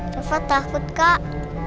kenapa takut kak